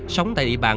sống tại địa bàn